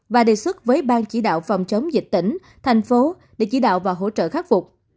và đề xuất với ban chỉ đạo phòng chống dịch tỉnh thành phố để chỉ đạo và hỗ trợ khắc phục